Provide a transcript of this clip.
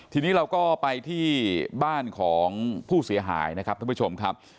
ทีนี้เราก็ไปที่บ้านของผู้เสียหายนะครับท่านผู้ชมครับ